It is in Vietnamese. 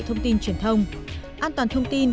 thông tin truyền thông an toàn thông tin